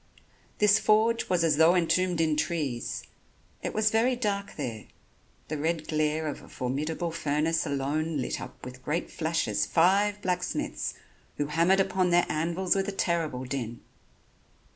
This forge was as though entombed in trees. It was very dark there, the red glare of a formidable furnace alone lit up with great flashes five blacksmiths, who hammered upon their anvils with a terrible din.